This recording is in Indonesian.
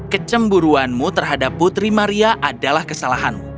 kecemburuanmu terhadap putri maria adalah kesalahanmu